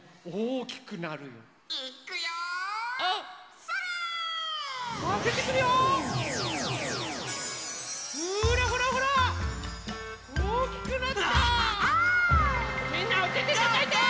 おおきくなった！